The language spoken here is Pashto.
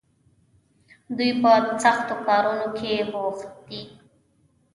دوی په سختو کارونو کې بوخت دي.